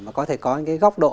và có thể có cái góc độ